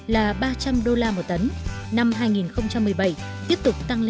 là ba trăm linh đô la một tấn